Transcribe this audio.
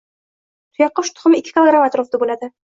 Tuyaqush tuxumi ikki kilogramm atrofida bo‘ladi